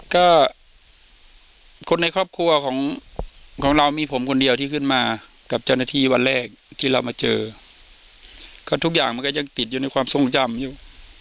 ก็คนในครอบครัวของเรามีผมคนเดียวที่ขึ้นมากับเจ้าหน้าที่วันแรกที่เรามาเจอก็ทุกอย่างมันก็ยังติดอยู่ในความทรงจำอยู่